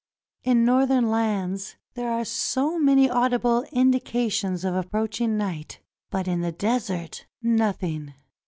In Northern lands there are so many audible indications of approaching night. But in the desert — nothing.